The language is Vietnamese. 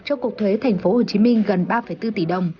cho cục thuế tp hcm gần ba bốn tỷ đồng